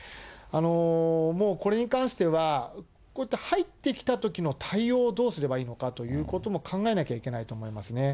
もうこれに関しては、こういって入ってきたときの対応をどうすればいいのかということも考えなきゃいけないと思いますね。